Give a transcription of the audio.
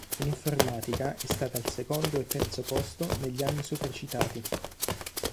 In informatica è stata al secondo e terzo posto negli anni sopra citati.